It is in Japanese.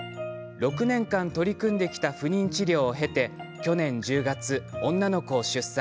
６年間、取り組んできた不妊治療を経て去年１０月、女の子を出産。